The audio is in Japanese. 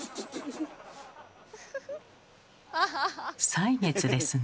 歳月ですね。